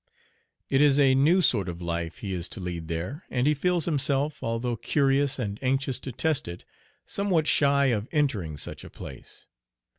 It is a new sort of life he is to lead there, and he feels himself, although curious and anxious to test it, somewhat shy of entering such a place.